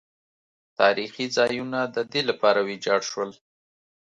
تاریخي ځایونه د دې لپاره ویجاړ شول.